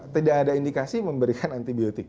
tidak ada indikasi memberikan antibiotik